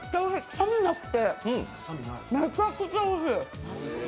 臭みがなくてめちゃくちゃおいしい。